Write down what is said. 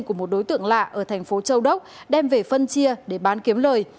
của một đối tượng lạ ở thành phố châu đốc đem về phân chia để bán kiếm lời